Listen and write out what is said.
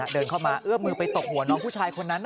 เดินเข้ามาเอื้อมมือไปตบหัวน้องผู้ชายคนนั้น